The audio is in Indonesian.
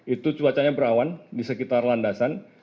itu cuacanya berawan di sekitar landasan